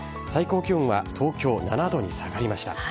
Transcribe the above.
最高気温は、東京、７度に下がりました。